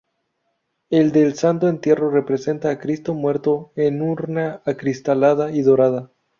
El del Santo Entierro represente a Cristo muerto en urna acristalada y dorada.